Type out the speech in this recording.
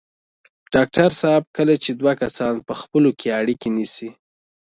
ډاکټر صاحب کله چې دوه کسان په خپلو کې اړيکې نیسي.